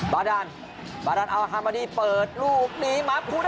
ประดานประดานอาวุธธรรมดีเปิดลูกนี้หมาพุทธ